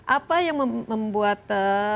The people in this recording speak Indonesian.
apa yang membuat